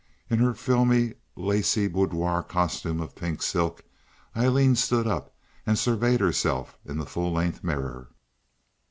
In her filmy, lacy boudoir costume of pink silk Aileen stood up and surveyed herself in the full length mirror.